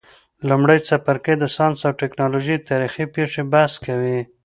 لمړی څپرکی د ساینس او تکنالوژۍ تاریخي پیښي بحث کوي.